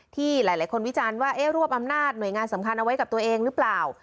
ที่หลายคนวิจารณ์ว่ารวบอำนาจหน่วยงานสำคัญเอาไว้กับตัวเองหรือเปล่า